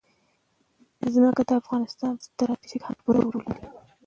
ځمکه د افغانستان په ستراتیژیک اهمیت کې پوره رول لري.